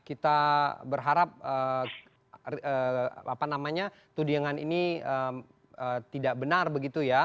kita berharap tudingan ini tidak benar begitu ya